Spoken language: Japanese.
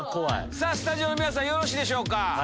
さぁスタジオの皆さんよろしいでしょうか？